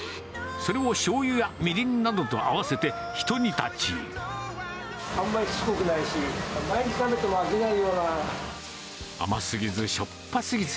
それをしょうゆやみりんなどと合わせて、あんまりしつこくないし、甘すぎず、しょっぱすぎず。